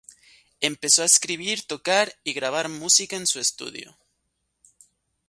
Empezó a escribir, tocar y grabar música en su estudio.